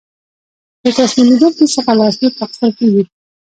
له تسلیمیدونکي څخه لاسلیک اخیستل کیږي.